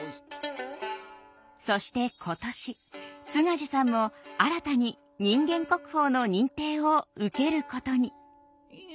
そして今年津賀寿さんも新たに人間国宝の認定を受けることに。